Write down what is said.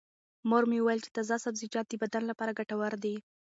مور مې وویل چې تازه سبزیجات د بدن لپاره ګټور دي.